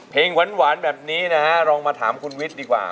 หวานแบบนี้นะฮะลองมาถามคุณวิทย์ดีกว่า